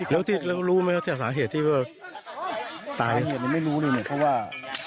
แล้วรู้ไหมว่าที่สาเหตุที่ว่าตายสาเหตุยังไม่รู้เลยเหมือนกับว่า